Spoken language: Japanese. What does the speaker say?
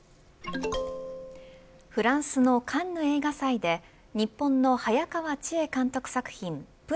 フランスのカンヌ映画祭で日本の早川千絵監督作品ＰＬＡＮ